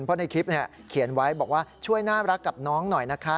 เพราะในคลิปเขียนไว้บอกว่าช่วยน่ารักกับน้องหน่อยนะคะ